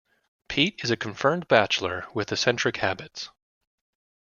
Pete is a confirmed bachelor with eccentric habits.